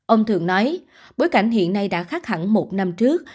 ông thường nói bối cảnh hiện nay đã khác hẳn một năm trước